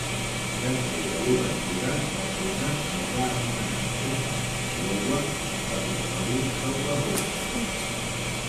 Després de l'obertura, la zona es va anomenar Comtat de Kiowa del Territori d'Oklahoma.